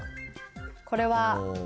これは。